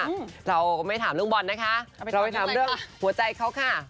เราก็ไม่ถามเรื่องบอลนะคะเราไปถามเรื่องหัวใจเขาค่ะ